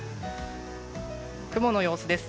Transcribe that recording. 雲の様子です。